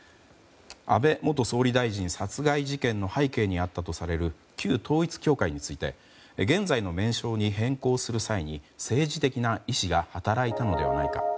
安倍元総理大臣殺害事件の背景にあったとされる旧統一教会について現在の名称に変更する際に政治的な意思が働いたのではないか。